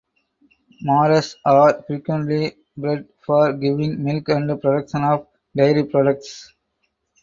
Mares are frequently bred for giving milk and production of dairy products.